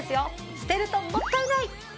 捨てるともったいない。